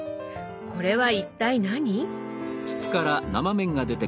これは一体何？